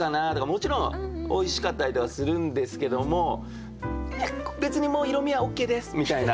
もちろんおいしかったりとかするんですけども別にもう色みはＯＫです！みたいな。